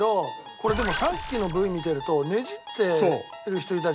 これでもさっきのＶ見てるとねじってる人いたじゃん。